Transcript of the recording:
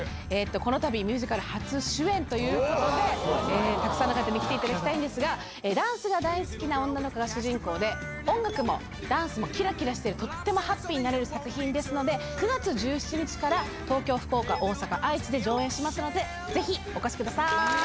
このたび、ミュージカル初主演ということで、たくさんの方に来ていただきたいんですが、ダンスが大好きな女の子が主人公で、音楽もダンスも、きらきらしてる、とってもハッピーになれる作品ですので、９月１７日から東京、福岡、大阪、愛知で上演しますので、ぜひお越しください。